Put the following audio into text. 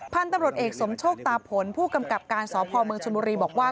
พันธุ์ตำรวจเอกสมโชคตาผลผู้กำกับการสพเมืองชนบุรีบอกว่า